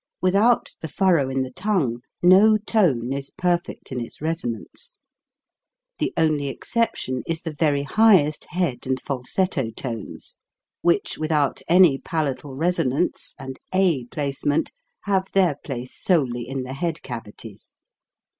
Without the furrow in the tongue, no tone is perfect in its resonance. The only exception THE TONGUE 191 is the very highest head and falsetto tones, which without any palatal resonance and a placement have their place solely in the head cavities.